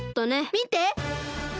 みて！